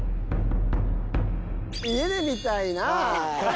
家で見たいな。